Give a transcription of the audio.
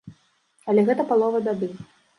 Але гэта палова бяды.